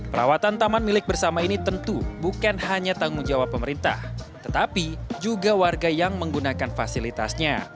perawatan taman milik bersama ini tentu bukan hanya tanggung jawab pemerintah tetapi juga warga yang menggunakan fasilitasnya